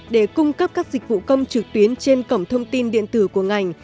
để cung cấp các dịch vụ công trực tuyến trên cổng thông tin điện tử của ngành